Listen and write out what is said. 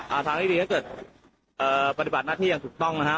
ทางที่ดีถ้าเกิดเอ่อปฏิบัติหน้าที่อย่างถูกต้องนะฮะ